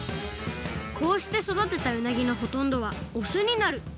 こうして育てたうなぎのほとんどはオスになる。